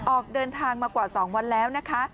ออกเดินทางมากว่า๒วันแล้วนะคะ